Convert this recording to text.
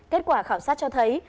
kết quả khảo sát cho thấy